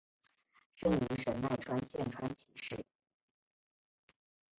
生于神奈川县川崎市。